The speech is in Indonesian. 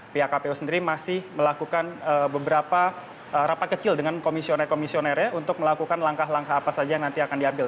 pihak kpu sendiri masih melakukan beberapa rapat kecil dengan komisioner komisionernya untuk melakukan langkah langkah apa saja yang nanti akan diambil